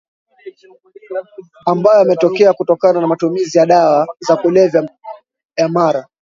ambayo yametokea kutokana na matumizi ya dawa za kulevya ya mara